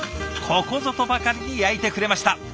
ここぞとばかりに焼いてくれました。